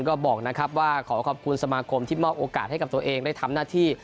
ก็บอกนะครับว่าขอขอบคุณสมาคมที่มอบโอกาสให้กับตัวเองได้ทำหน้าที่